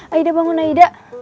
aida bangun aida